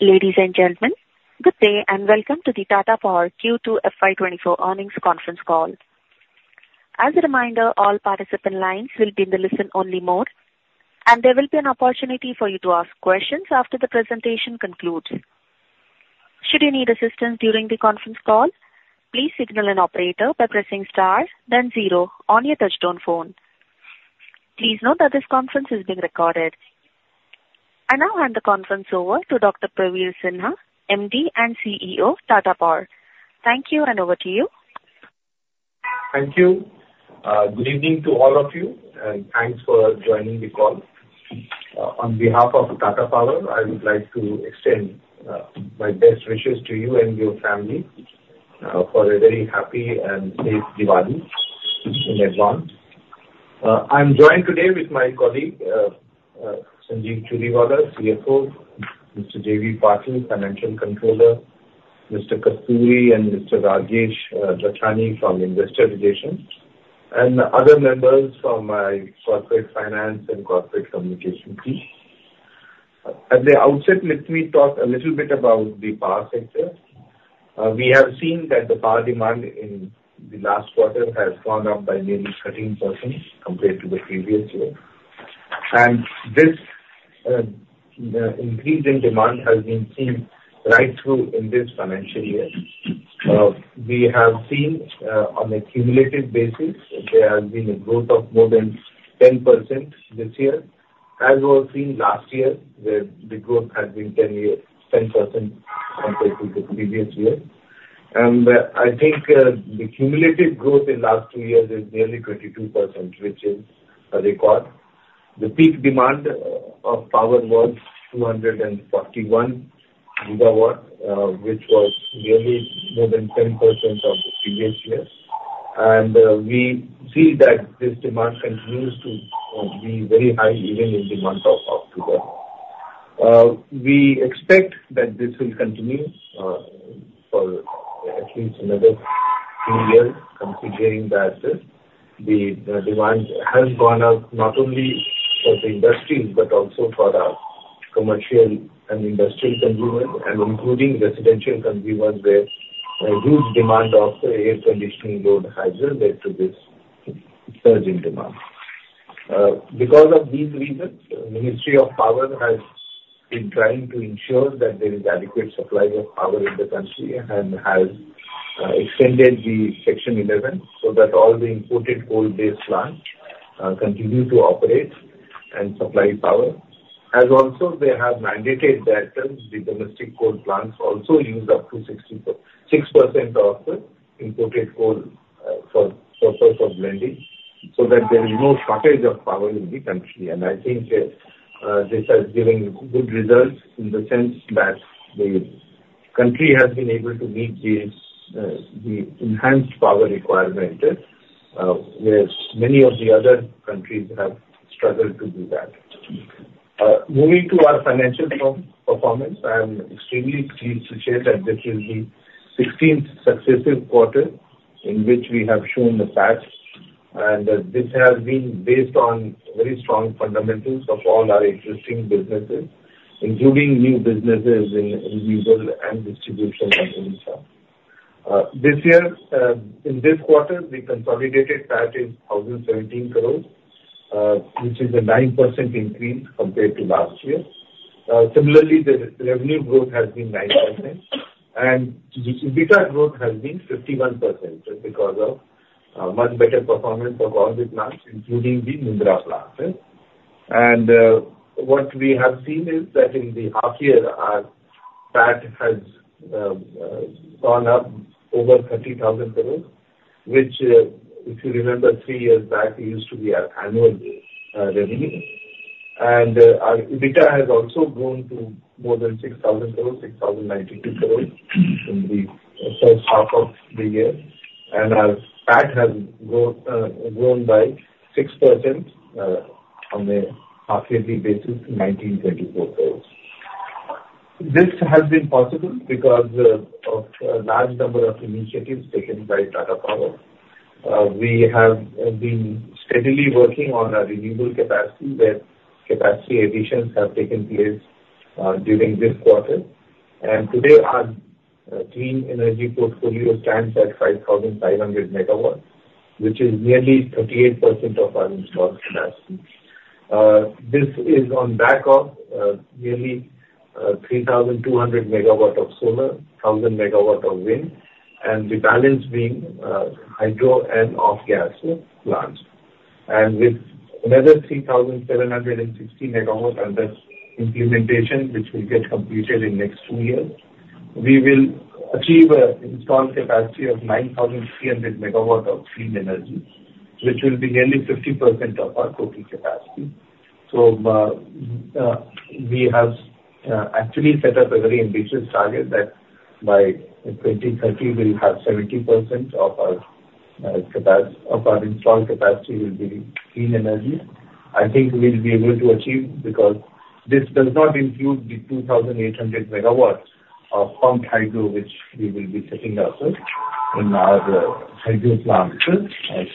Ladies and gentlemen, good day, and welcome to the Tata Power Q2 FY24 earnings conference call. As a reminder, all participant lines will be in the listen-only mode, and there will be an opportunity for you to ask questions after the presentation concludes. Should you need assistance during the conference call, please signal an operator by pressing star then zero on your touchtone phone. Please note that this conference is being recorded. I now hand the conference over to Dr. Praveer Sinha, MD and CEO of Tata Power. Thank you, and over to you. Thank you. Good evening to all of you, and thanks for joining the call. On behalf of Tata Power, I would like to extend my best wishes to you and your family for a very happy and safe Diwali in advance. I'm joined today with my colleague Sanjeev Churiwala, CFO; Mr. J.V. Patil, Financial Controller; Mr. Kasturi and Mr. Rajesh Lachhani from Investor Relations, and other members from my corporate finance and corporate communication team. At the outset, let me talk a little bit about the power sector. We have seen that the power demand in the last quarter has gone up by nearly 13% compared to the previous year. This increase in demand has been seen right through in this financial year. We have seen, on a cumulative basis, there has been a growth of more than 10% this year, as we have seen last year, where the growth had been 10 years, 10% compared to the previous year. And, I think, the cumulative growth in last two years is nearly 22%, which is a record. The peak demand of power was 241 GW, which was nearly more than 10% of the previous year. And, we see that this demand continues to, be very high even in the month of October. We expect that this will continue for at least another two years, considering that the demand has gone up not only for the industry, but also for our commercial and industrial consumers, and including residential consumers, where a huge demand of air conditioning load has also led to this surge in demand. Because of these reasons, the Ministry of Power has been trying to ensure that there is adequate supply of power in the country and has extended the Section 11, so that all the imported coal-based plants continue to operate and supply power. As also, they have mandated that the domestic coal plants also use up to 60% of the imported coal for purpose of blending, so that there is no shortage of power in the country. I think that this has given good results in the sense that the country has been able to meet the enhanced power requirement, whereas many of the other countries have struggled to do that. Moving to our financial performance, I am extremely pleased to share that this is the sixteenth successive quarter in which we have shown the PAT, and that this has been based on very strong fundamentals of all our existing businesses, including new businesses in renewable and distribution companies. This year, in this quarter, the consolidated PAT is 1,017 crore, which is a 9% increase compared to last year. Similarly, the revenue growth has been 9%, and the EBITDA growth has been 51%, just because of much better performance of all the plants, including the Mundra plant. What we have seen is that in the half year, our PAT has gone up over 30,000 crore, which, if you remember, three years back, used to be our annual revenue. Our EBITDA has also grown to more than 6,000 crore, 6,092 crore in the first half of the year. Our PAT has grown by 6% on a half-yearly basis, 1,934 crore. This has been possible because of a large number of initiatives taken by Tata Power. We have been steadily working on our renewable capacity, where capacity additions have taken place during this quarter. Today, our clean energy portfolio stands at 5,500 MW, which is nearly 38% of our installed capacity. This is on back of nearly 3,200 MW of solar, 1,000 MW of wind, and the balance being hydro and off-gas plants. And with another 3,760 MW under implementation, which will get completed in next two years, we will achieve a installed capacity of 9,300 MW of clean energy, which will be nearly 50% of our total capacity. So, we have actually set up a very ambitious target that by 2030, we'll have 70% of our capacity of our installed capacity will be clean energy. I think we'll be able to achieve, because this does not include the 2,800 MW of pumped hydro, which we will be setting up. In our hydro plant,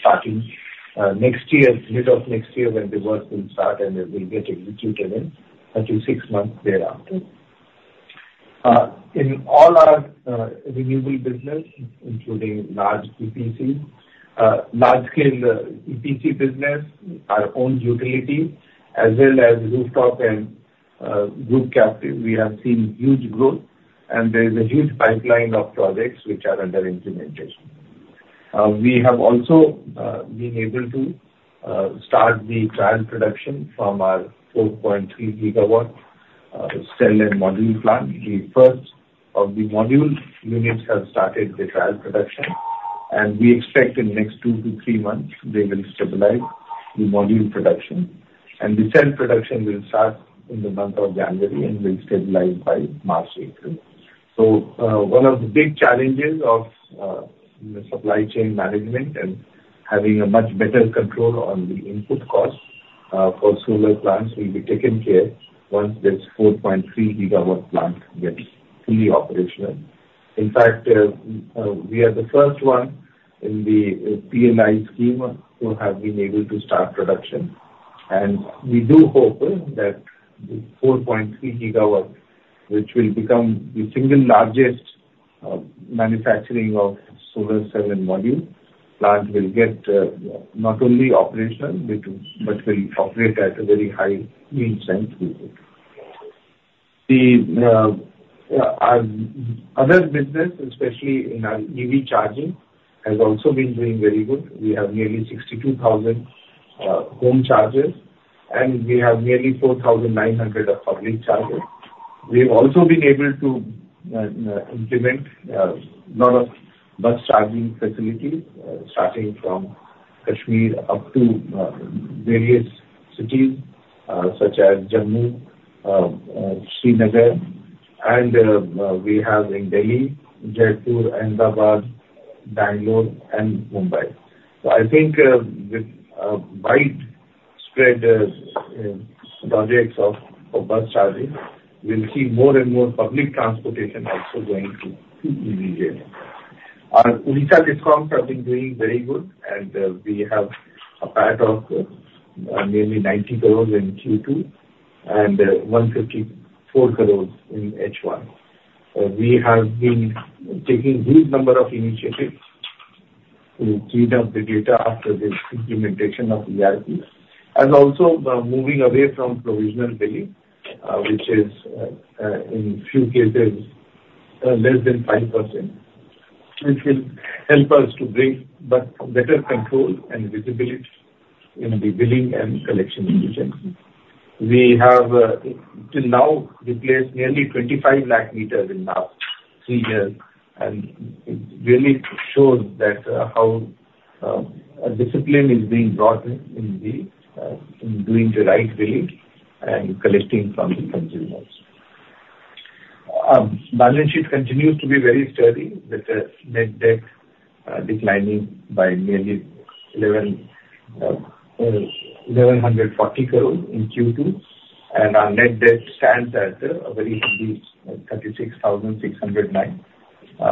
starting next year, middle of next year, when the work will start and it will get executed in up to six months thereafter. In all our renewable business, including large EPC, large scale EPC business, our own utility, as well as rooftop and group captive, we have seen huge growth, and there is a huge pipeline of projects which are under implementation. We have also been able to start the trial production from our 4.3 GW cell and module plant. The first of the module units have started the trial production, and we expect in next two to three months they will stabilize the module production, and the cell production will start in the month of January and will stabilize by March, April. So, one of the big challenges of, the supply chain management and having a much better control on the input costs, for solar plants will be taken care once this 4.3 GW plant gets fully operational. In fact, we are the first one in the PLI scheme who have been able to start production. And we do hope, that the 4.3 GW, which will become the single largest, manufacturing of solar cell and module plant, will get, not only operational, but will operate at a very high yield and throughput. Our other business, especially in our EV charging, has also been doing very good. We have nearly 62,000 home chargers, and we have nearly 4,900 of public chargers. We've also been able to implement lot of bus charging facilities, starting from Kashmir up to various cities such as Jammu, Srinagar, and we have in Delhi, Jaipur, Ahmedabad, Bangalore and Mumbai. So I think with widespread projects of bus charging, we'll see more and more public transportation also going to EV vehicles. Our Odisha DISCOMs have been doing very good, and we have a PAT of nearly 90 crores in Q2 and 154 crores in H1. We have been taking huge number of initiatives to clean up the data after this implementation of ERP, and also, moving away from provisional billing, which is, in few cases, less than 5%, which will help us to bring but better control and visibility in the billing and collection efficiency. We have till now replaced nearly 25 lakh meters in the three years, and it really shows that, how, a discipline is being brought in, in the, in doing the right billing and collecting from the consumers. Balance sheet continues to be very sturdy, with the net debt declining by nearly 1,140 crore in Q2. Our net debt stands at a very healthy 36,609,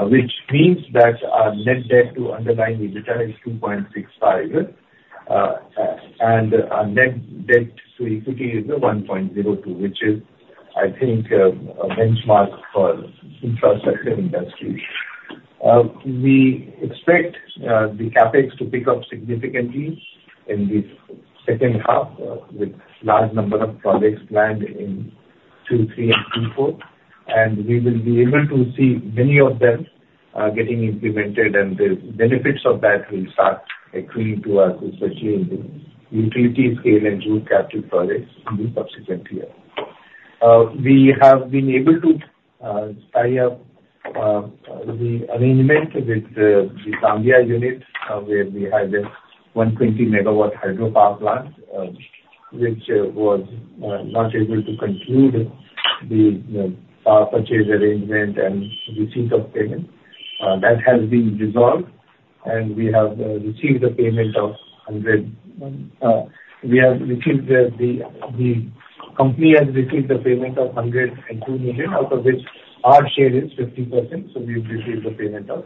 which means that our net debt to underlying EBITDA is 2.65. And our net debt to equity is 1.02, which is, I think, a benchmark for infrastructure industry. We expect the CapEx to pick up significantly in the second half, with large number of projects planned in 2023 and 2024, and we will be able to see many of them getting implemented, and the benefits of that will start accruing to us, especially in the utility scale and group captive projects in the subsequent year. We have been able to tie up the arrangement with the Zambia unit, where we have a 120 MW hydropower plant, which was not able to conclude the power purchase arrangement and receipt of payment. That has been resolved, and the company has received the payment of $102 million, out of which our share is 50%, so we've received the payment of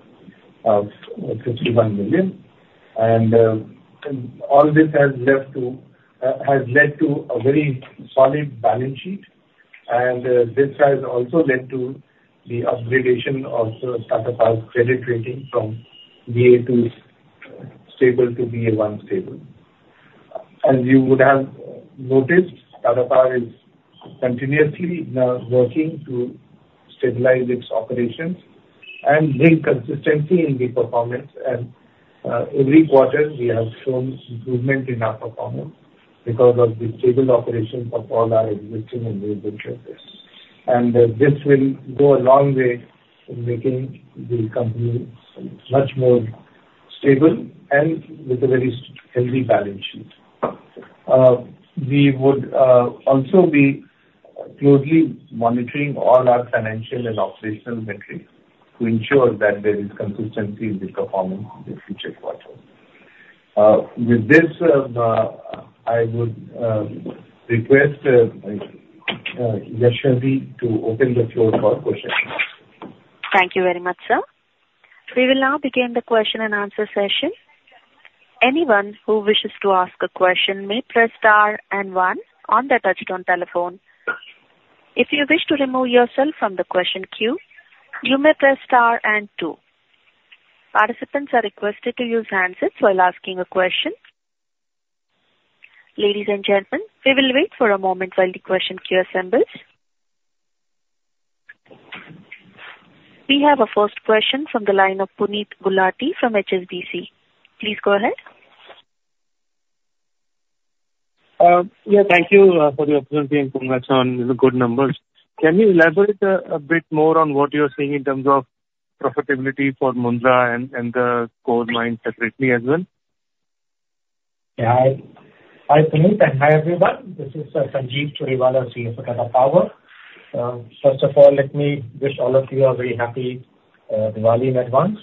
$51 million. All this has led to a very solid balance sheet, and this has also led to the upgradation of Tata Power's credit rating from BA2 stable to BA1 stable. As you would have noticed, Tata Power is continuously working to stabilize its operations and bring consistency in the performance. And every quarter we have shown improvement in our performance because of the stable operations of all our existing and new ventures. And this will go a long way in making the company much more stable and with a very healthy balance sheet. We would also be closely monitoring all our financial and operational metrics to ensure that there is consistency in the performance in the future quarters... With this, I would request Yashaswi to open the floor for questions. Thank you very much, sir. We will now begin the question and answer session. Anyone who wishes to ask a question may press star and one on their touchtone telephone. If you wish to remove yourself from the question queue, you may press star and two. Participants are requested to use handsets while asking a question. Ladies and gentlemen, we will wait for a moment while the question queue assembles. We have a first question from the line of Puneet Gulati from HSBC. Please go ahead. Yeah, thank you for the opportunity, and congrats on the good numbers. Can you elaborate a bit more on what you're seeing in terms of profitability for Mundra and the coal mine separately as well? Yeah. Hi, Puneet, and hi, everyone. This is, Sanjeev Churiwala, CFO for Tata Power. First of all, let me wish all of you a very happy, Diwali in advance.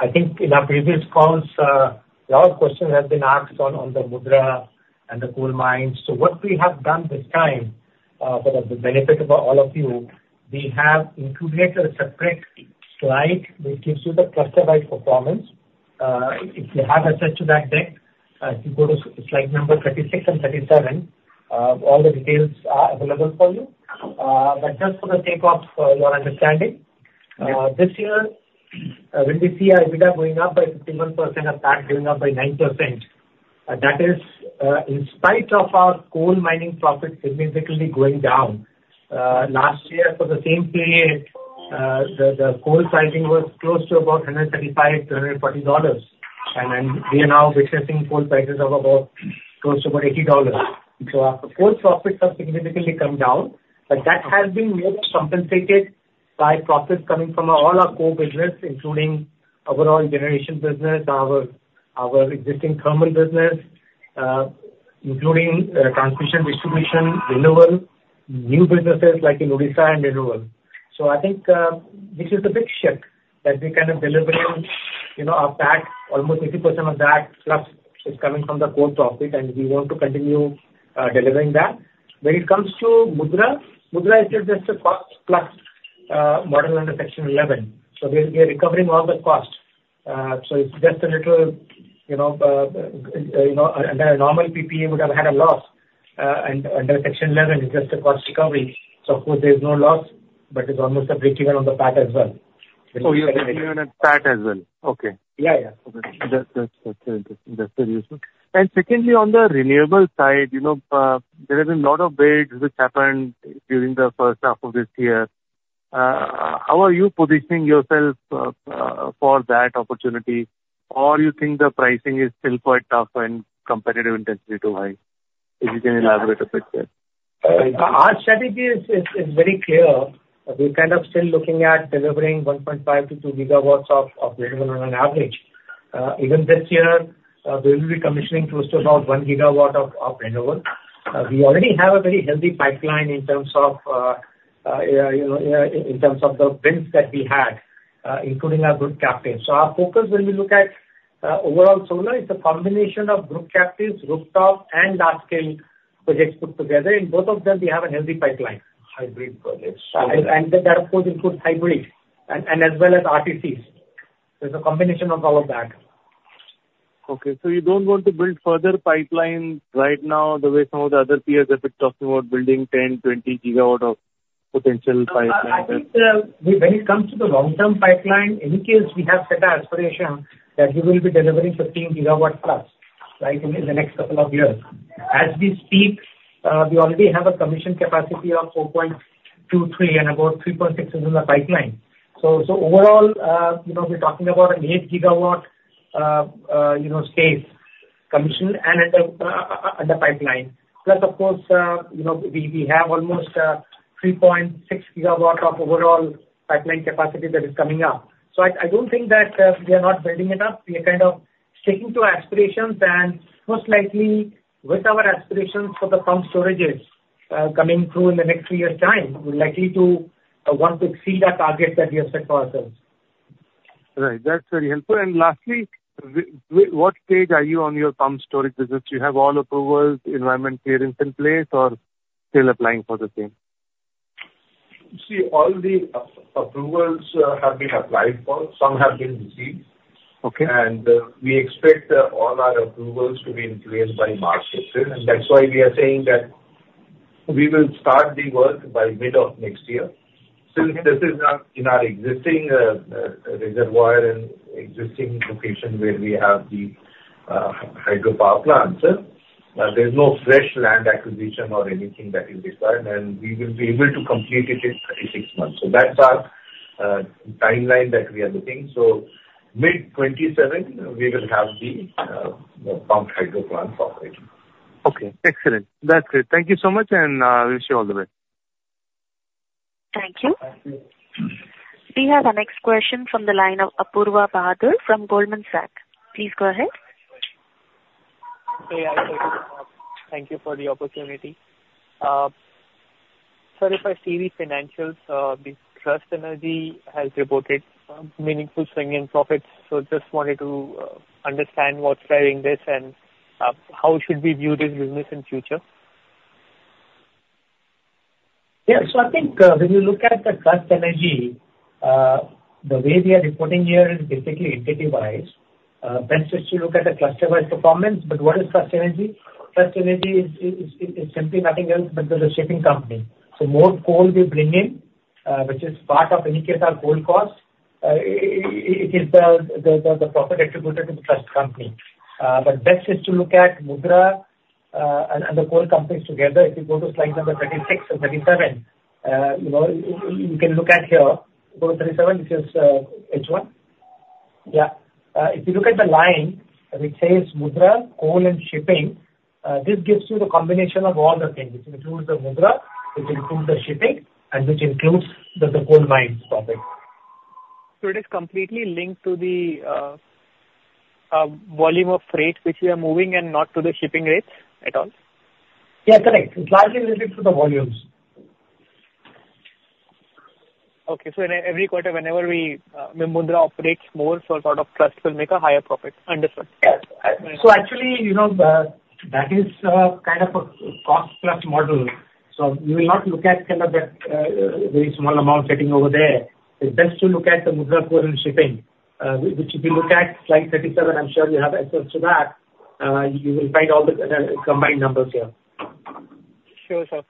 I think in our previous calls, a lot of questions have been asked on, on the Mundra and the coal mines. So what we have done this time, for the benefit of all of you, we have included a separate slide which gives you the cluster-wide performance. If you have access to that deck, you go to slide number 36 and 37, all the details are available for you. But just for the sake of your understanding, this year, when we see our EBITDA going up by 51%, our PAT going up by 9%, that is in spite of our coal mining profits significantly going down. Last year, for the same period, the coal pricing was close to about $135-$140, and then we are now witnessing coal prices of about, close to about $80. So our coal profits have significantly come down, but that has been more compensated by profits coming from all our core business, including overall generation business, our existing thermal business, including transmission, distribution, renewable, new businesses like in Odisha and renewable. So I think, this is the big shift, that we're kind of delivering, you know, our PAT, almost 80% of that plus is coming from the core profit, and we want to continue, delivering that. When it comes to Mundra, Mundra is just a cost plus, model under Section 11, so we're recovering all the costs. So it's just a little, you know, you know, under a normal PPA would have had a loss, and under Section 11, it's just a cost recovery. So of course there's no loss, but it's almost a breakeven on the PAT as well. Oh, you in a PAT as well? Okay. Yeah, yeah. Okay. That's interesting. That's very useful. Secondly, on the renewable side, you know, there have been a lot of bids which happened during the first half of this year. How are you positioning yourself for that opportunity? Or you think the pricing is still quite tough and competitive intensity too high? If you can elaborate a bit there. Our strategy is very clear. We're kind of still looking at delivering 1.5-2 GW of renewable on an average. Even this year, we will be commissioning close to about 1 GW of renewable. We already have a very healthy pipeline in terms of, you know, in terms of the bids that we had, including our group captive. So our focus, when we look at overall solar, it's a combination of group captive, rooftop and large-scale projects put together. In both of them, we have a healthy pipeline. Hybrid projects. And that, of course, includes hybrids and as well as RTCs. There's a combination of all of that. Okay, so you don't want to build further pipeline right now, the way some of the other peers have been talking about building 10, 20 GW of potential pipeline? I think, when it comes to the long-term pipeline, in any case, we have set our aspiration that we will be delivering 15 GW+, right, in the next couple of years. As we speak, we already have a commission capacity of 4.23, and about 3.6 is in the pipeline. So overall, you know, we're talking about an 8 GW, you know, space commission and at the, in the pipeline. Plus, of course, you know, we, we have almost, 3.6 GW of overall pipeline capacity that is coming up. So I, I don't think that, we are not building enough. We are kind of sticking to aspirations, and most likely, with our aspirations for the pumped storages coming through in the next few years' time, we're likely to want to exceed our target that we have set for ourselves. Right. That's very helpful. And lastly, what stage are you on your pumped storage business? Do you have all approvals, environmental clearance in place, or still applying for the same? See, all the approvals have been applied for. Some have been received. Okay. We expect all our approvals to be in place by March 5th, and that's why we are saying that we will start the work by mid of next year. Since this is on our existing reservoir and existing location where we have the hydropower plants, there's no fresh land acquisition or anything that is required, and we will be able to complete it in 36 months. So that's our timeline that we are looking. So mid-2027, we will have the pumped hydro plant operating. Okay, excellent. That's great. Thank you so much, and wish you all the best. Thank you. We have our next question from the line of Apoorva Bahadur from Goldman Sachs. Please go ahead. ... Hey, thank you for the opportunity. So if I see the financials, the Trust Energy has reported meaningful swing in profits. So just wanted to understand what's driving this, and how should we view this business in future? Yeah. So I think, when you look at the Trust Energy, the way we are reporting here is basically entity-wise. Best is to look at the cluster-wise performance. But what is Trust Energy? Trust Energy is simply nothing else but the shipping company. So more coal we bring in, which is part of indicate our coal cost, it is the profit attributed to the Trust Company. But best is to look at Mundra, and the coal companies together. If you go to slide number 36 and 37, you know, you can look at here. Go to 37, which is H one. Yeah. If you look at the line which says Mundra, coal and shipping, this gives you the combination of all the things, which includes the Mundra, which includes the shipping, and which includes the coal mines profit. It is completely linked to the volume of freight which we are moving, and not to the shipping rates at all? Yeah, correct. It's largely related to the volumes. Okay. So in every quarter, whenever we, when Mundra operates more, so sort of Trust will make a higher profit. Understood. Yes. So actually, you know, that is kind of a cost plus model. So you will not look at kind of that, very small amount sitting over there. It's best to look at the Mundra current shipping, which if you look at slide 37, I'm sure you have access to that, you will find all the combined numbers here. Sure, sir.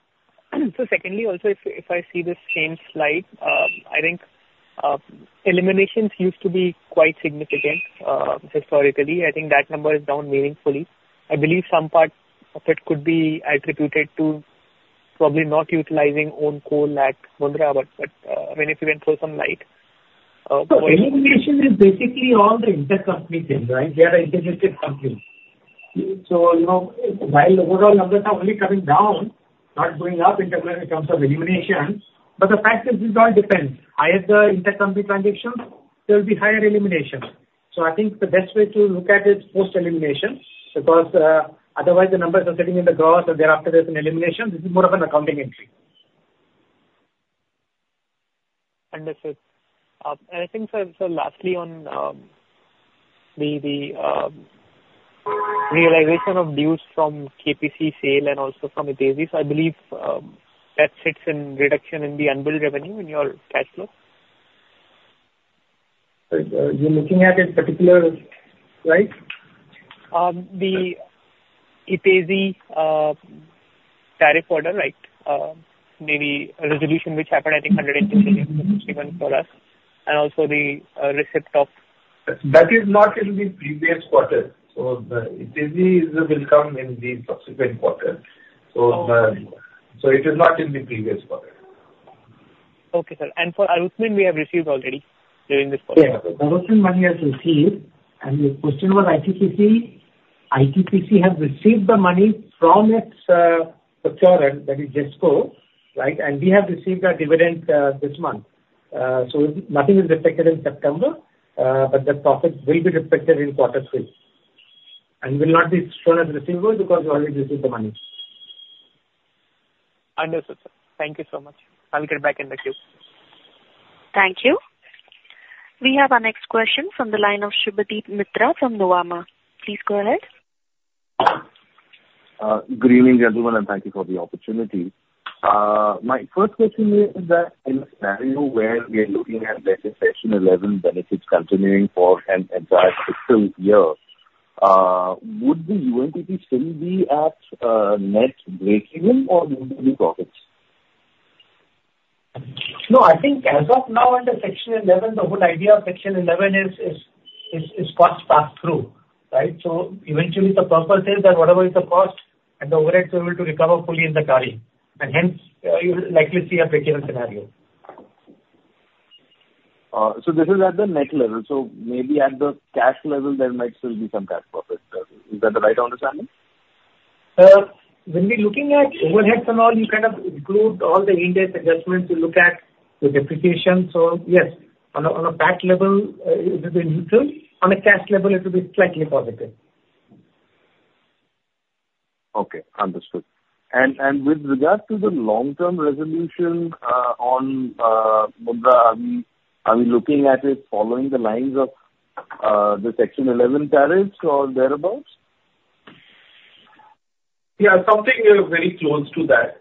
So secondly, also, if I see this same slide, I think eliminations used to be quite significant historically. I think that number is down meaningfully. I believe some part of it could be attributed to probably not utilizing own coal at Mundra, but I mean, if you can throw some light for- So elimination is basically all the intercompany things, right? We are an integrated company. So, you know, while overall numbers are only coming down, not going up in terms, in terms of elimination, but the fact is, this all depends. Higher the intercompany transactions, there will be higher eliminations. So I think the best way to look at it, post elimination, because otherwise the numbers are sitting in the drawer, so thereafter there's an elimination. This is more of an accounting entry. Understood. I think, sir, so lastly on the realization of dues from KPC sale and also from Itezhi. So I believe that sits in reduction in the unbilled revenue in your cash flow. You're looking at a particular slide? The Itezhi tariff order, right? Maybe a resolution which happened, I think, 150 million, INR 61 for us, and also the receipt of- That is not in the previous quarter. So the Itezhi will come in the subsequent quarter. So the- Okay. It is not in the previous quarter. Okay, sir. And for Arutmin, we have received already during this quarter? Yeah, Arutmin money has received. The question was ITPC. ITPC has received the money from its procurer, that isZESCO, right? We have received our dividend this month. Nothing is reflected in September, but the profit will be reflected in quarter three, and will not be shown as receivable because we already received the money. Understood, sir. Thank you so much. I'll get back in the queue. Thank you. We have our next question from the line of Subhadip Mitra Mitra from Nomura. Please go ahead. Good evening, everyone, and thank you for the opportunity. My first question is that in a scenario where we are looking at Section 11 benefits continuing for an entire fiscal year, would the UMPP still be at net breakeven, or would it be profits? No, I think as of now, under Section Eleven, the whole idea of Section Eleven is cost pass-through, right? So eventually, the purpose is that whatever is the cost and the overheads are able to recover fully in the tariff, and hence, you will likely see a breakeven scenario. This is at the net level. Maybe at the cash level, there might still be some cash profit. Is that the right understanding? When we're looking at overheads and all, you kind of include all the index adjustments you look at, the depreciation. So yes, on a, on a PAT level, it will be neutral. On a cash level, it will be slightly positive. Okay, understood. And with regards to the long-term resolution on Mundra, are we looking at it following the lines of the Section Eleven tariffs or thereabouts? Yeah, something very close to that,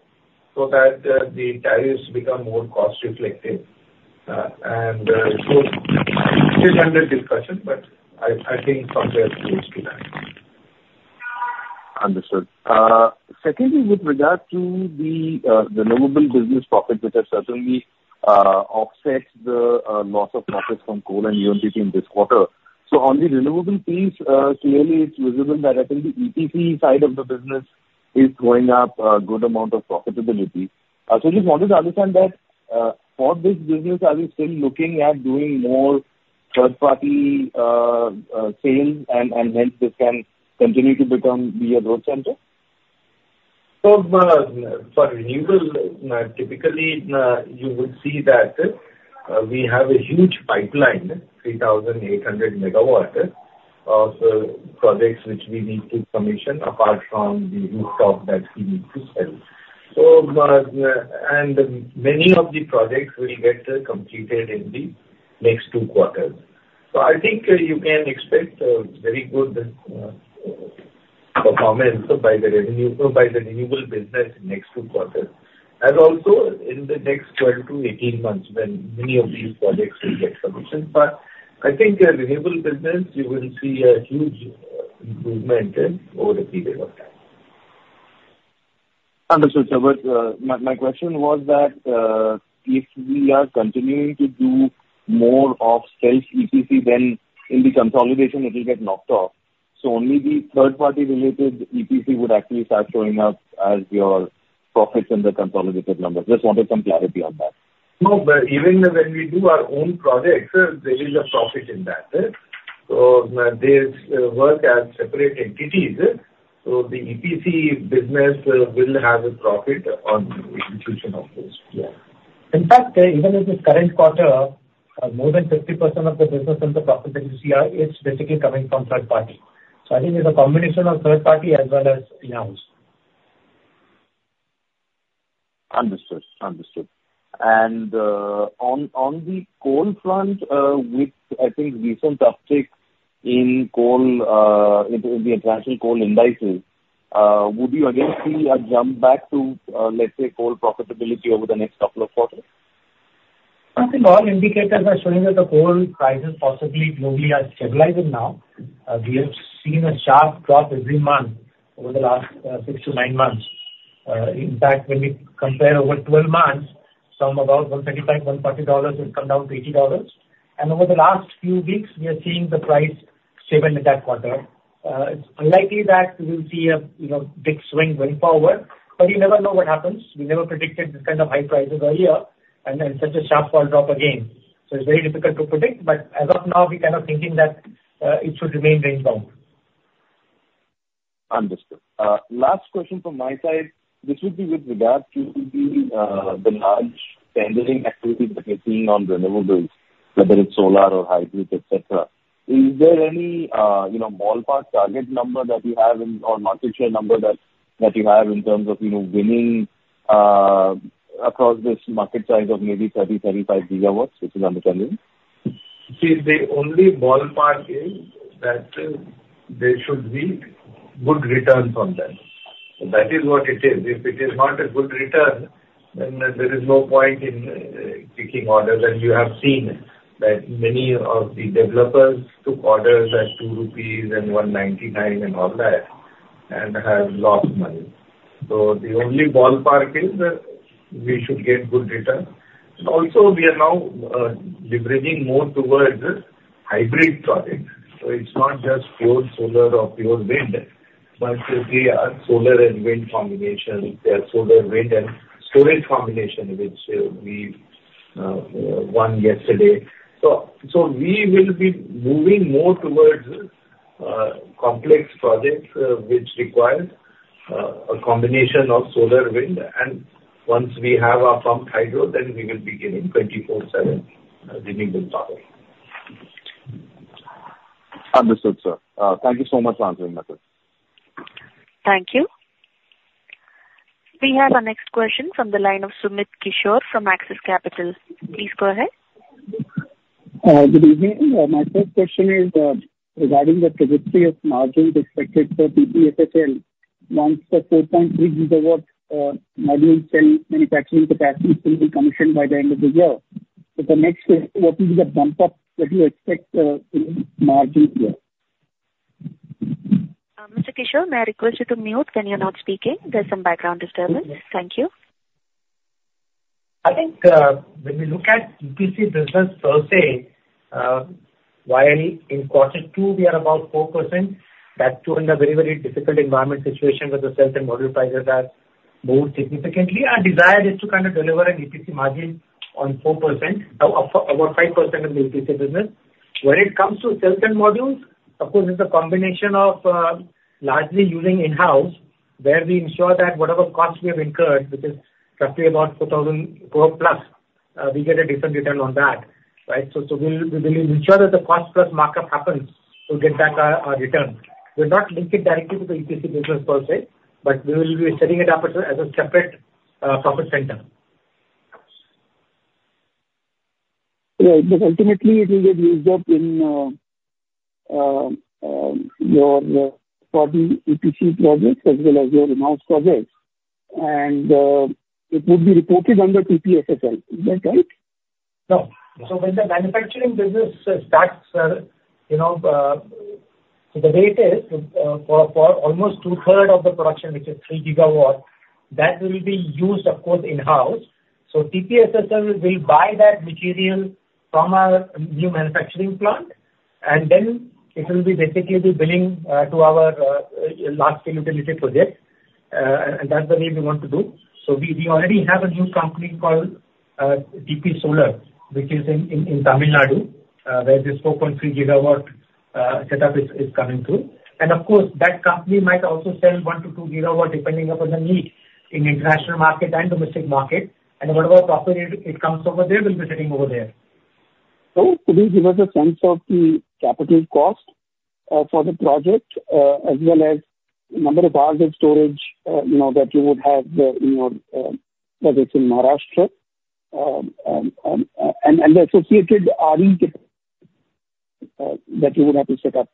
so that the tariffs become more cost reflective. And still under discussion, but I think something close to that. Understood. Secondly, with regard to the renewable business profit, which has certainly offset the loss of profits from coal and UMPP in this quarter. So on the renewable piece, clearly it's visible that I think the EPC side of the business is growing at a good amount of profitability. I actually just wanted to understand that, for this business, are we still looking at doing more third-party sales, and hence this can continue to become the growth center? So, for renewable, typically, you would see that, we have a huge pipeline, 3,800 MW, of projects which we need to commission apart from the rooftop that we need to sell. So, and many of the projects will get completed in the next two quarters. So I think you can expect a very good performance by the revenue, by the renewable business next two quarters, and also in the next 12-eight months when many of these projects will get commissioned. But I think our renewable business, you will see a huge improvement over a period of time. Understood, sir. But, my question was that, if we are continuing to do more of sales EPC, then in the consolidation, it will get knocked off. So only the third party related EPC would actually start showing up as your profits in the consolidated numbers. Just wanted some clarity on that. No, but even when we do our own projects, there is a profit in that. So they work as separate entities, so the EPC business will have a profit on execution of this. Yeah. In fact, even in the current quarter, more than 50% of the business and the profit that you see, it's basically coming from third party. So I think it's a combination of third party as well as in-house. Understood. Understood. And on the coal front, with I think recent uptick in coal in the international coal indices, would you again see a jump back to let's say coal profitability over the next couple of quarters? I think all indicators are showing that the coal prices possibly, globally, are stabilizing now. We have seen a sharp drop every month over the last six to nine months. In fact, when we compare over 12 months, from about $125-$130, it's come down to $80. And over the last few weeks, we are seeing the price stable in that quarter. It's unlikely that we will see a, you know, big swing going forward, but you never know what happens. We never predicted this kind of high prices earlier and then such a sharp fall drop again. So it's very difficult to predict, but as of now, we're kind of thinking that it should remain range bound. Understood. Last question from my side. This would be with regard to the large tendering activities that you're seeing on renewables, whether it's solar or hybrid, et cetera. Is there any, you know, ballpark target number that you have, or market share number that you have in terms of, you know, winning across this market size of maybe 30-35 GW, which is understanding? See, the only ballpark is that there should be good return from them. So that is what it is. If it is not a good return, then there is no point in taking orders. And you have seen that many of the developers took orders at 2 rupees and 1.99 and all that, and have lost money. So the only ballpark is that we should get good return. Also, we are now leveraging more towards hybrid projects. So it's not just pure solar or pure wind, but you see a solar and wind combination. There are solar, wind and storage combination, which we won yesterday. So we will be moving more towards complex projects which require a combination of solar, wind, and once we have our pumped hydro, then we will be giving 24/7 renewable power. Understood, sir. Thank you so much for answering my questions. Thank you. We have our next question from the line of Sumit Kishore from Axis Capital. Please go ahead. Good evening. My first question is regarding the trajectory of margin expected for TPSSL. Once the 4.3 GW modules and manufacturing capacity will be commissioned by the end of the year, so the next, what will be the bump up that you expect in margin here? Mr. Kishore, may I request you to mute when you're not speaking? There's some background disturbance. Thank you. I think, when we look at EPC business per se, while in quarter two, we are about 4%, that too, in a very, very difficult environment situation where the sales and module prices have moved significantly. Our desire is to kind of deliver an EPC margin on 4%, of, about 5% of the EPC business. When it comes to sales and modules, of course, it's a combination of, largely using in-house, where we ensure that whatever costs we have incurred, which is roughly about 4,004+, we get a different return on that, right? So, so we'll, we will ensure that the cost plus markup happens to get back our, our return. We'll not link it directly to the EPC business per se, but we will be setting it up as a, as a separate, profit center. Yeah, but ultimately it will get used up in your third-party EPC projects as well as your in-house projects, and it would be reported under TPSSL. Is that right? No. So when the manufacturing business starts, you know, so the rate is for almost two-thirds of the production, which is 3 GW, that will be used, of course, in-house. So TPSSL will buy that material from our new manufacturing plant, and then it will be basically the billing to our large-scale utility projects. And that's the way we want to do. So we already have a new company called TP Solar, which is in Tamil Nadu, where this 4.3 GW setup is coming through. And of course, that company might also sell 1-2 GW, depending upon the need in international market and domestic market, and whatever profit it comes over there will be sitting over there. So could you give us a sense of the capital cost for the project, as well as number of hours of storage, you know, that you would have the, you know, whether it's in Maharashtra, and the associated RE that you would have to set up?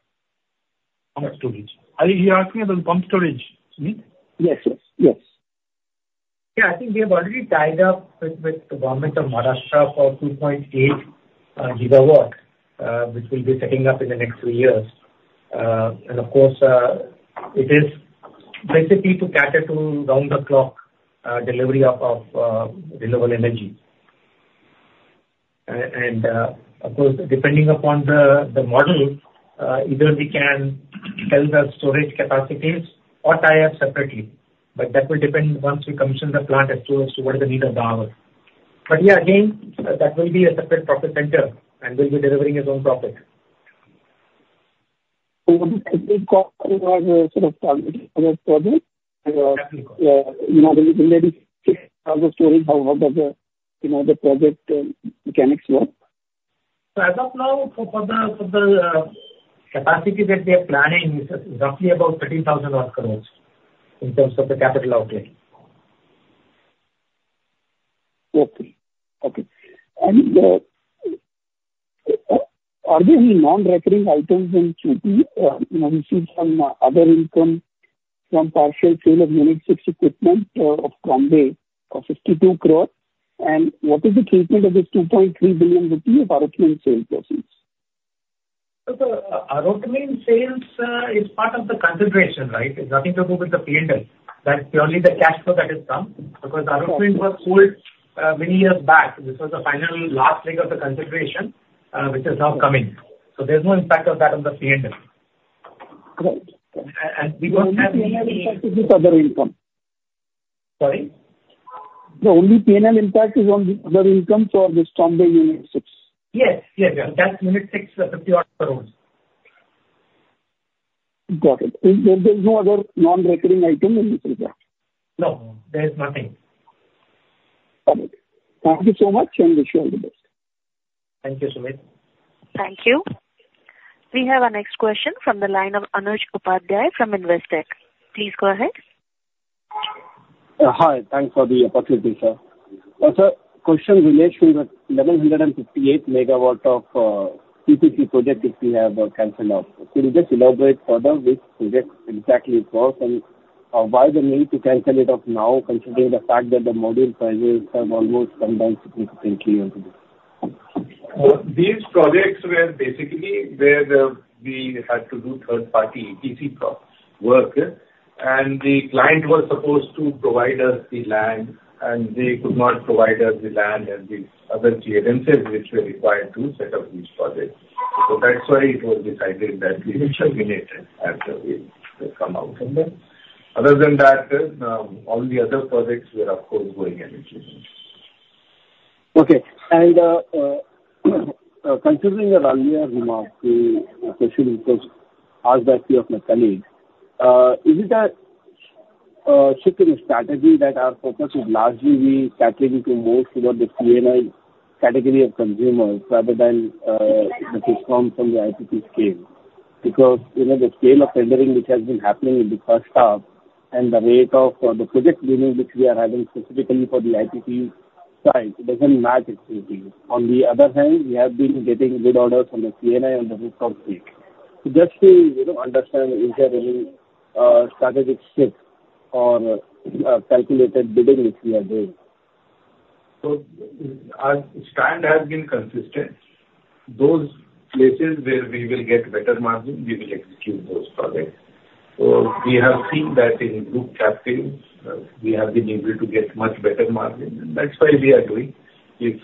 Pumped storage. Are you asking about pumped storage, Sumit? Yes. Yes, yes. Yeah, I think we have already tied up with the government of Maharashtra for 2.8 GW, which we'll be setting up in the next three years. And of course, it is basically to cater to round-the-clock delivery of renewable energy. And, of course, depending upon the model, either we can sell the storage capacities or tie-up separately, but that will depend once we commission the plant as to what is the need of the hour. But yeah, again, that will be a separate profit center, and will be delivering its own profit. So sort of project, you know, maybe you know, the project mechanics work? As of now, for the capacity that we are planning is roughly about 13,000 crore, in terms of the capital outlay. Okay. Okay. And, are there any non-recurring items in Q3, you know, received some other income from partial sale of unit six equipment, of Bombay, of 52 crore? And what is the treatment of this 2.3 billion rupee of Arutmin sales proceeds? So the Arutmin sales is part of the consideration, right? It's nothing to do with the P&L. That's purely the cash flow that has come, because Arutmin was sold many years back. This was the final last leg of the consideration, which is now coming. So there's no impact of that on the P&L. Correct. We don't have any- Other income. Sorry? The only P&L impact is on the other income for this Bombay unit six. Yes. Yes, yeah. That's unit six, 50 odd crores. Got it. There's no other non-recurring item in this regard? No, there is nothing. Got it. Thank you so much, and wish you all the best. Thank you, Sumit. Thank you. We have our next question from the line of Anuj Upadhyay from Investec. Please go ahead. Hi. Thanks for the opportunity, sir. Sir, question relates to the 1,158 MW of PPC project which we have canceled off. Could you just elaborate further which projects exactly it was, and why the need to cancel it off now, considering the fact that the module prices have almost come down significantly on this? So these projects were basically where we had to do third-party EPC work. And the client was supposed to provide us the land, and they could not provide us the land and the other clearances which were required to set up these projects. So that's why it was decided that we should terminate after we come out from them. Other than that, all the other projects were of course, going and continuing. Okay. And considering your earlier remark, the question, of course, asked by few of my colleagues, is it a shift in strategy that our focus would largely be catering to more toward the C&I category of consumers, rather than, which is from the IPP scale? Because, you know, the scale of tendering which has been happening in the first half, and the rate of the project winning, which we are having specifically for the IPP side, doesn't match exactly. On the other hand, we have been getting good orders from the C&I and the rooftop scale. Just to, you know, understand, is there any strategic shift or calculated bidding which we are doing? So our stand has been consistent. Those places where we will get better margin, we will execute those projects. So we have seen that in group captive, we have been able to get much better margin, and that's why we are doing it.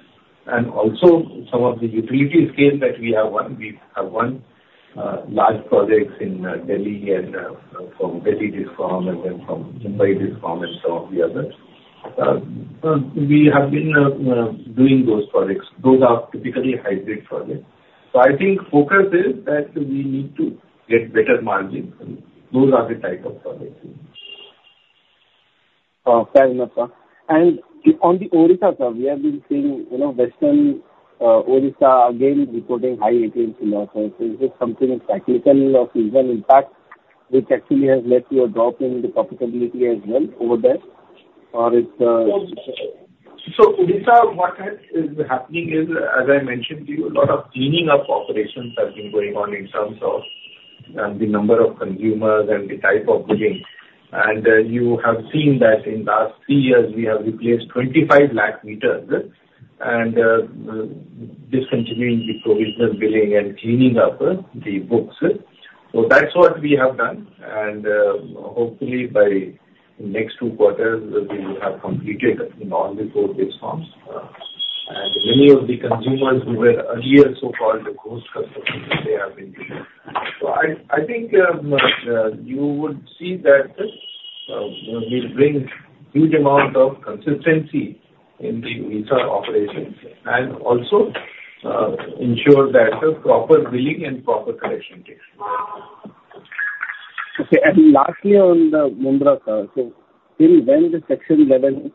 And also, some of the utility scale that we have won, we have won large projects in Delhi and from Delhi Discom, and then from Mumbai Discom, and some of the others. We have been doing those projects. Those are typically hybrid projects. So I think focus is that we need to get better margin, and those are the type of projects. Fair enough, sir. And on the Odisha side, we have been seeing, you know, Western Odisha again reporting high AT&C losses. So is this something of cyclical or seasonal impact, which actually has led to a drop in the profitability as well over there, or it's- So Odisha, what is happening is, as I mentioned to you, a lot of cleaning up operations have been going on in terms of, the number of consumers and the type of billing. And, you have seen that in last three years we have replaced 25 lakh meters, and, discontinuing the provisional billing and cleaning up, the books. So that's what we have done, and, hopefully by next two quarters, we will have completed in all the four districts. And many of the consumers who were earlier so-called the ghost customers, they have been billed. So I think, you would see that. So, it brings huge amount of consistency in the these operations, and also, ensure that the proper billing and proper collection takes place. Okay. Lastly, on the Mundra, sir. So, till when the Section 11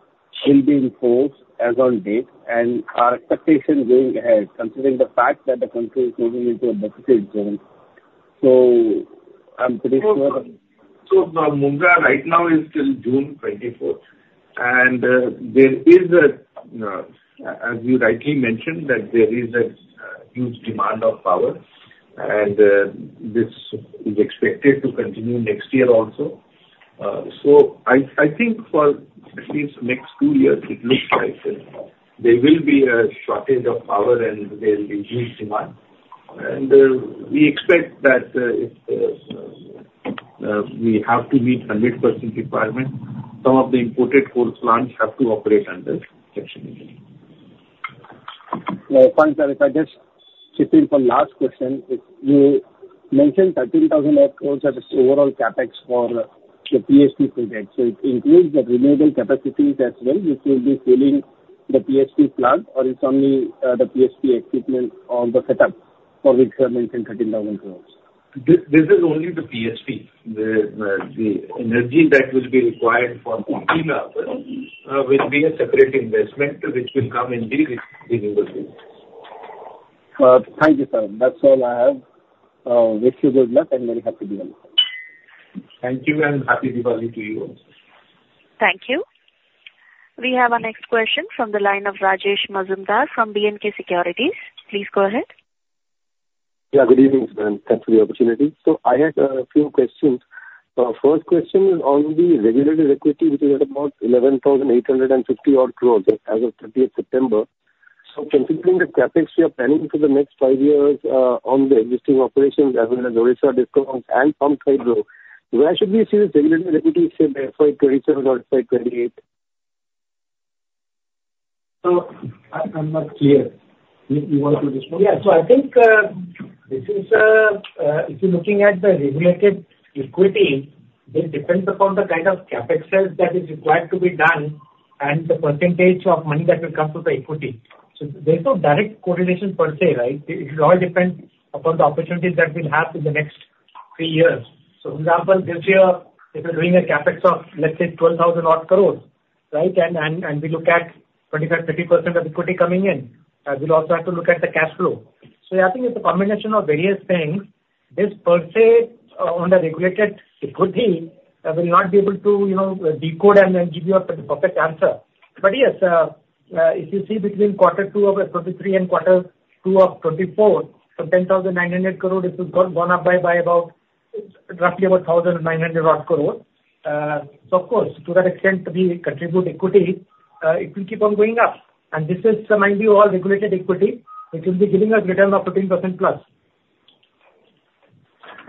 will be enforced as on date and our expectation going ahead, considering the fact that the country is moving into a deficit zone. So I'm pretty sure- So the Mundra right now is till June 24th. There is, as you rightly mentioned, that there is a huge demand of power, and this is expected to continue next year also. So I think for at least next two years, it looks like there will be a shortage of power and there will be huge demand. And we expect that, if we have to meet 100% requirement, some of the imported coal plants have to operate under Section 11. Pank, sir, if I just chip in for last question. If you mentioned 13,000 crore is the overall CapEx for the PSP project, so it includes the renewable capacities as well, which will be filling the PSP plant, or it's only the PSP equipment or the setup for which you have mentioned 13,000 crore? This is only the PSP. The energy that will be required for 14 hours will be a separate investment, which will come in the renewable space. Thank you, sir. That's all I have. Wish you good luck, and very happy Diwali. Thank you, and Happy Diwali to you also. Thank you. We have our next question from the line of Rajesh Mazumdar from B&K Securities. Please go ahead. Yeah, good evening, and thanks for the opportunity. I had a few questions. First question is on the regulated equity, which is at about 11,850-odd crores as of September 30th. So considering the CapEx you are planning for the next five years, on the existing operations, as well as Odisha DISCOMs and pumped hydro, where should we see the regulated equity say in FY 2027 or FY 2028? I'm not clear. You want to just- Yeah. So I think this is if you're looking at the regulated equity, this depends upon the kind of CapEx that is required to be done and the percentage of money that will come through the equity. So there's no direct correlation per se, right? It will all depend upon the opportunities that we'll have in the next three years. So for example, this year, if we're doing a CapEx of, let's say, 12,000-odd crore, right, and we look at 25-30% of equity coming in, we'll also have to look at the cash flow. So I think it's a combination of various things. This per se, on the regulated equity, I will not be able to, you know, decode and then give you a perfect answer. But yes, if you see between quarter two of 2023 and quarter two of 2024, so INR 10,900 crore, it will go one up by, by about, roughly about 1,900 crore. So of course, to that extent, we contribute equity, it will keep on going up. And this is mainly all regulated equity, which will be giving us return of 14%+.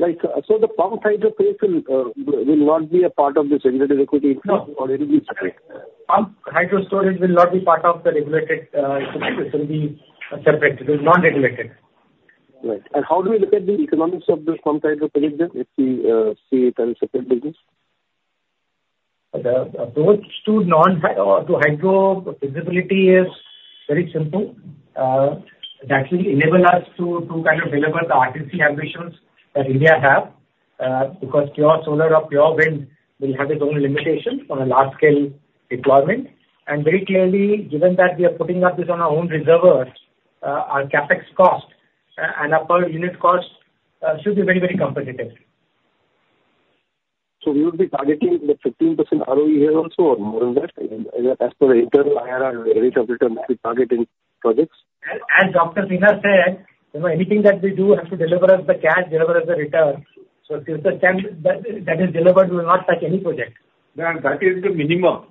Like, so the pumped hydro place will not be a part of this regulated equity- No. Or it will be separate? Pumped hydro storage will not be part of the regulated equity. It will be separate. It is non-regulated. Right. And how do we look at the economics of this pumped hydro project, if we see it as a separate business? The approach to non-hy or to hydro visibility is very simple. That will enable us to, to kind of deliver the RTC ambitions that India have, because pure solar or pure wind will have its own limitations on a large scale deployment. Very clearly, given that we are putting up this on our own reservoirs, our CapEx cost and our per unit cost should be very, very competitive. We will be targeting the 15% ROE here also, or more than that? As per the internal IRR, rate of return, we target in projects. As Dr. Sinha said, you know, anything that we do has to deliver us the cash, deliver us the return. So if the return that is delivered, we will not touch any project. Yeah, that is the minimum.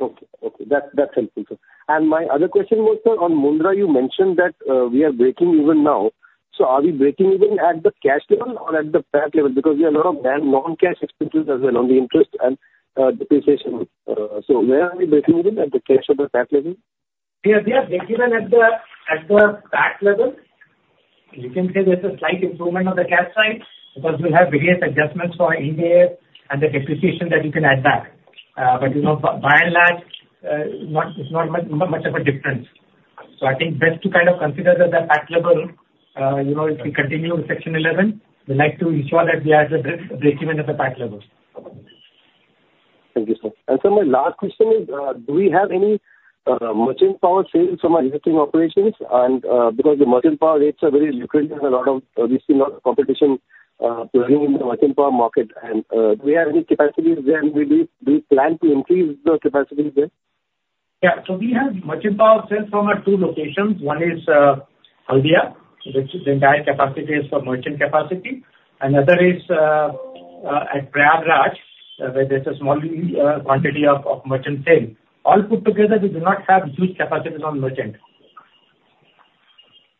Okay, okay, that, that's helpful, sir. My other question was, sir, on Mundra, you mentioned that we are breaking even now. So are we breaking even at the cash level or at the PAT level? Because there are a lot of non-cash expenses as well, on the interest and depreciation. So where are we breaking even, at the cash or the PAT level? We are breaking even at the PAT level. You can say there's a slight improvement on the cash side, because we have various adjustments for IVA and the depreciation that you can add back. But, you know, by and large, it's not much of a difference. So I think best to kind of consider the PAT level, you know, if we continue with Section 11, we'd like to ensure that we are breaking even at the PAT level. Thank you, sir. And sir, my last question is, do we have any merchant power sales from our existing operations? And, because the merchant power rates are very lucrative and a lot of... We see a lot of competition playing in the merchant power market. And, do we have any capacities there, and we do plan to increase the capacities there? Yeah. So we have merchant power sales from our two locations. One is, Haldia, which the entire capacity is for merchant capacity, another is, at Prayagraj, where there's a small, quantity of merchant sale. All put together, we do not have huge capacities on merchant.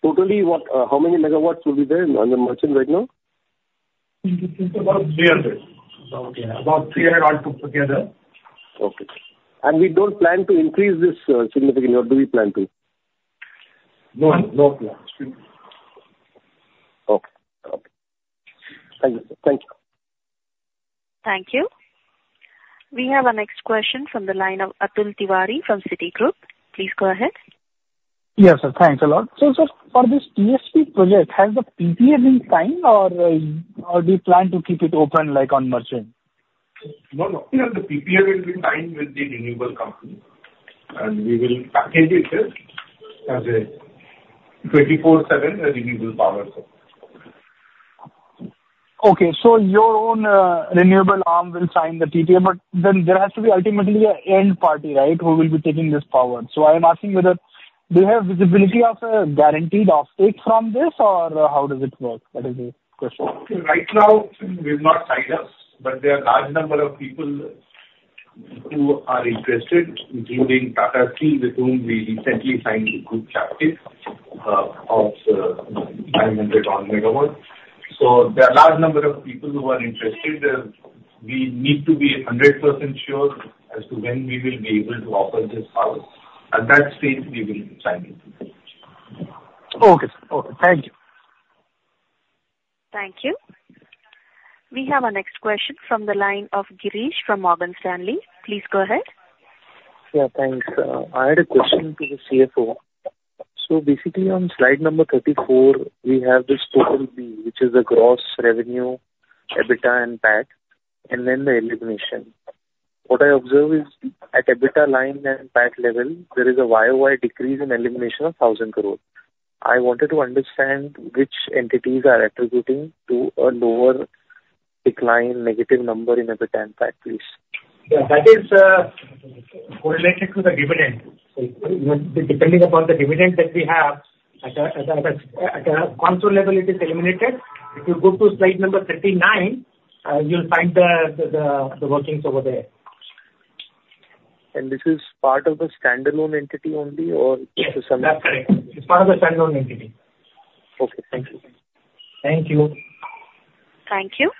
Totally, what, how many megawatts will be there on the merchant right now? It's about 300. About, yeah, about 300 all put together. Okay. We don't plan to increase this significantly, or do we plan to? ...No, no problem. Okay. Okay. Thank you, sir. Thank you. Thank you. We have our next question from the line of Atul Tiwari from Citigroup. Please go ahead. Yes, sir. Thanks a lot. So, sir, for this PSP project, has the PPA been signed or, or do you plan to keep it open, like, on merchant? No, no, the PPA will be signed with the renewable company, and we will package it as a 24/7 renewable power supply. Okay, so your own, renewable arm will sign the PPA, but then there has to be ultimately an end party, right? Who will be taking this power? So I am asking whether do you have visibility of a guaranteed offtake from this, or how does it work? That is the question. Right now, we've not signed up, but there are a large number of people who are interested, including Tata Steel, with whom we recently signed a group captive of 900-odd MW. So there are a large number of people who are interested. We need to be 100% sure as to when we will be able to offer this power. At that stage, we will sign it. Okay, sir. Okay, thank you. Thank you. We have our next question from the line of Girish from Morgan Stanley. Please go ahead. Yeah, thanks. I had a question to the CFO. So basically, on slide number 34, we have this total B, which is the gross revenue, EBITDA and PAT, and then the elimination. What I observe is at EBITDA line and PAT level, there is a YOY decrease in elimination of 1,000 crore. I wanted to understand which entities are attributing to a lower decline, negative number in EBITDA and PAT, please. Yeah, that is correlated to the dividend. Depending upon the dividend that we have, at a console level, it is eliminated. If you go to slide number 39, you'll find the workings over there. This is part of the standalone entity only, or- Yes, that's correct. It's part of the standalone entity. Okay, thank you. Thank you. Thank you.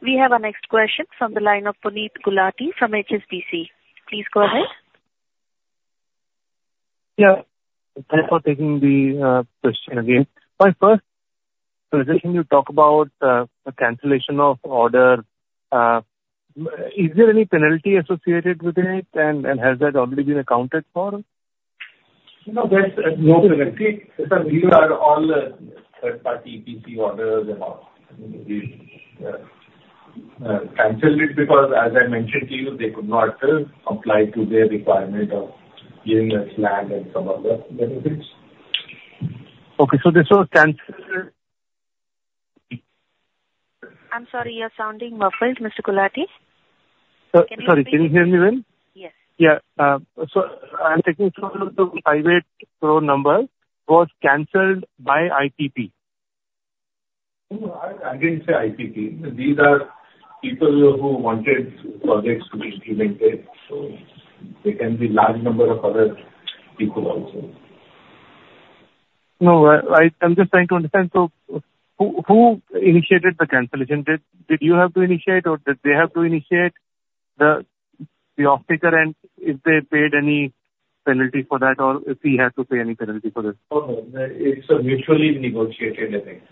We have our next question from the line of Puneet Gulati from HSBC. Please go ahead. Yeah. Thanks for taking the question again. My first suggestion, you talk about the cancellation of order. Is there any penalty associated with it, and, and has that already been accounted for? No, there's no penalty. These are all third party PC orders, and we canceled it because, as I mentioned to you, they could not apply to their requirement of giving us land and some other benefits. Okay, so this was canceled- I'm sorry, you're sounding muffled, Mr. Gulati. Sorry, can you hear me well? Yes. Yeah, so I'm taking through the INR 58 crore number, was canceled by IPP? No, I, I didn't say IPP. These are people who wanted projects to be implemented, so there can be large number of other people also. No, I'm just trying to understand. So who initiated the cancellation? Did you have to initiate, or did they have to initiate the off-taker, and if they paid any penalty for that, or if we had to pay any penalty for this? Oh, no. It's a mutually negotiated event.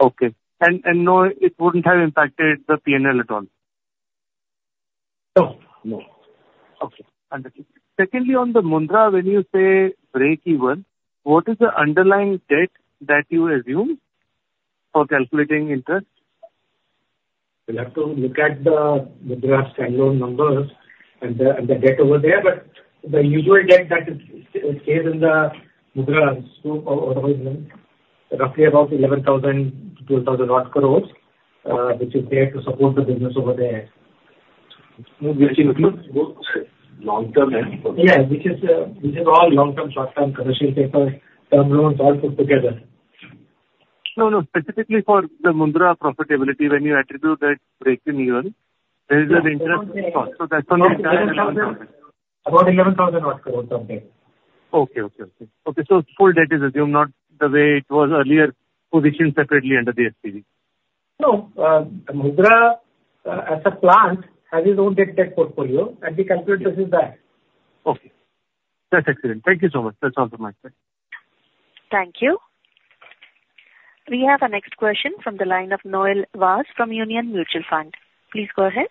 Okay. And, and no, it wouldn't have impacted the PNL at all? No, no. Okay, understood. Secondly, on the Mundra, when you say breakeven, what is the underlying debt that you assume for calculating interest? You'll have to look at the Mundra standalone numbers and the debt over there. But the usual debt that is there in the Mundra group, or arrangement, roughly 11,000 crore-12,000 crore, which is there to support the business over there. Which includes both long-term and- Yeah, which is, which is all long-term, short-term commercial paper, term loans, all put together. No, no, specifically for the Mundra profitability. When you attribute that breakeven year, there is an interest cost, so that's the number. About 11,000 crore, something. Okay. So full debt is assumed, not the way it was earlier, positioned separately under the SPV? No, Mundra, as a plant, has his own debt, debt portfolio, and we calculate this is that. Okay. That's excellent. Thank you so much. That's all from my side. Thank you. We have our next question from the line of Noel Vaz from Union Mutual Fund. Please go ahead.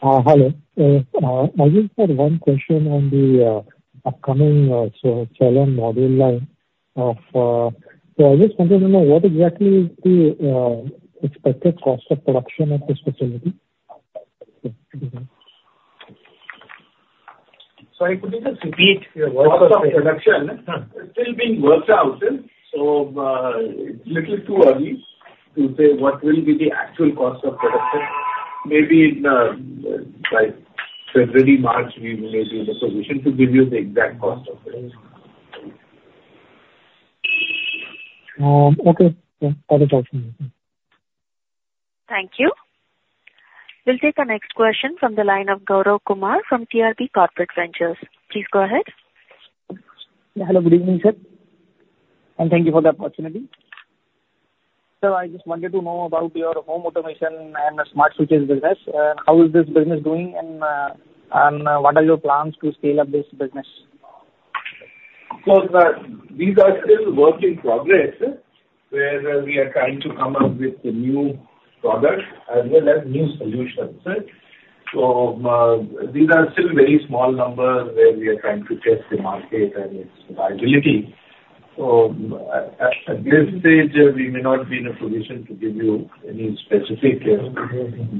Hello. I just had one question on the upcoming solar module line. So I was just wondering, what exactly is the expected cost of production of this facility? Sorry, could you just repeat your question? Cost of production? Uh. It's still being worked out, so, it's little too early to say what will be the actual cost of production. Maybe in, by February, March, we will be in the position to give you the exact cost of production. Okay. Yeah, no problem. Thank you. We'll take the next question from the line of Gaurav Kumar from TRB Corporate Ventures. Please go ahead. Hello, good evening, sir, and thank you for the opportunity.... Sir, I just wanted to know about your home automation and smart switches business. How is this business doing, and what are your plans to scale up this business? So, these are still work in progress, where we are trying to come up with new products as well as new solutions. So, these are still very small numbers, where we are trying to test the market and its viability. So at this stage, we may not be in a position to give you any specific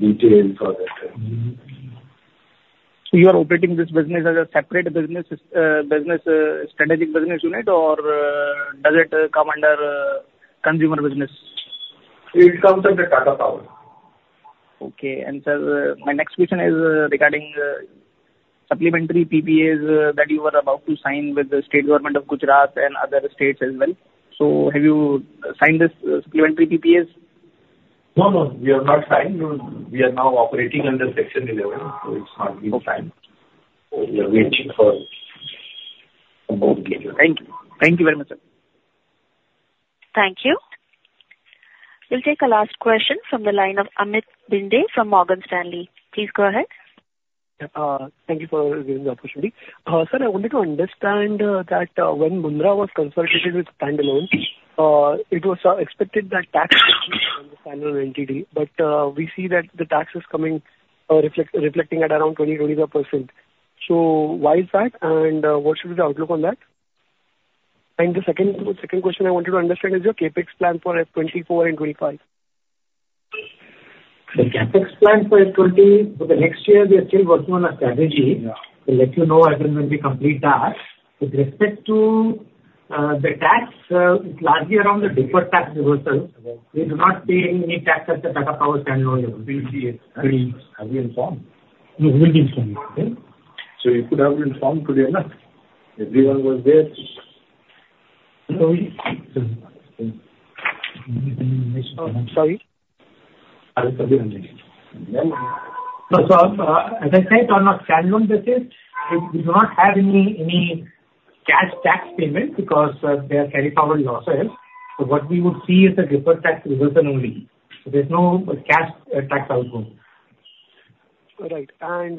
details for that. You are operating this business as a separate strategic business unit, or does it come under consumer business? It comes under Tata Power. Okay. And, sir, my next question is, regarding, supplementary PPAs, that you were about to sign with the state government of Gujarat and other states as well. So have you signed these supplementary PPAs? No, no, we have not signed. We are now operating under Section 11, so it's not been signed. Okay. We are waiting for approval. Thank you. Thank you very much, sir. Thank you. We'll take a last question from the line of Amit Bhinde from Morgan Stanley. Please go ahead. Thank you for giving the opportunity. Sir, I wanted to understand that when Mundra was consolidated with standalone, it was expected that tax on the standalone NTD, but we see that the tax is coming, reflecting at around 20-25%. So why is that? And what should be the outlook on that? And the second question I wanted to understand is your CapEx plan for FY2024 and 2025. The CapEx plan for FY 20, for the next year, we are still working on a strategy. Yeah. We'll let you know as and when we complete that. With respect to the tax, it's largely around the deferred tax reversal. Okay. We do not pay any tax at the Tata Power standalone level. We see it- Have we informed? No, we've been informed. Okay. You could have been informed today, no? Everyone was there. Sorry. No, sir, as I said, on a standalone basis, it do not have any, any cash tax payment because, they are carry forward losses. So what we would see is the deferred tax reversal only. There's no cash tax outcome. Right. And,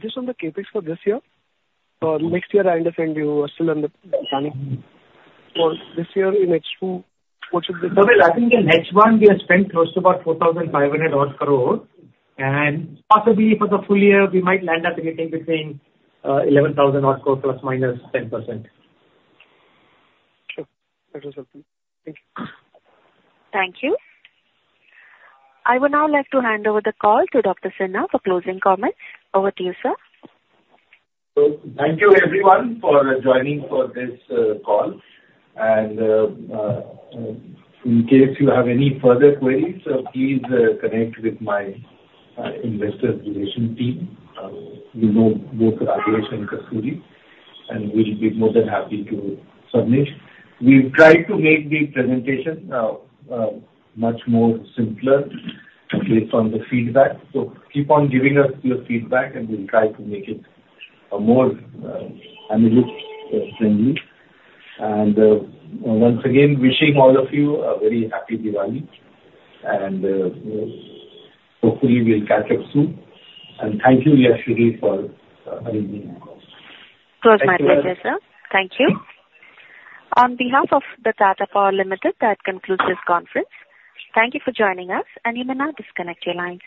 just on the CapEx for this year, next year, I understand you are still in the planning. For this year and H2, what should be the- Well, I think in H1, we have spent close to about 4,500 odd crore, and possibly for the full year, we might land up getting between 11,000 odd crore, ±10%. Sure. That is all, thank you. Thank you. I would now like to hand over the call to Dr. Sinha for closing comments. Over to you, sir. So thank you everyone for joining for this call. And in case you have any further queries, please connect with my investor relation team. You know both Rajesh and Kasturi, and we'll be more than happy to submit. We've tried to make the presentation much more simpler based on the feedback. So keep on giving us your feedback, and we'll try to make it a more analyst-friendly. And once again, wishing all of you a very happy Diwali, and hopefully we'll catch up soon. And thank you, Yashashri, for arranging the call. It was my pleasure, sir. Thank you. On behalf of the Tata Power Limited, that concludes this conference. Thank you for joining us, and you may now disconnect your lines.